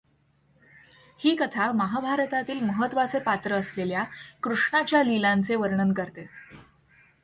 ही कथा महाभारतातील महत्त्वाचे पात्र असलेल्या कृष्णाच्या लीलांचे वर्णन करते.